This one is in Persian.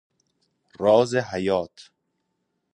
راز حیات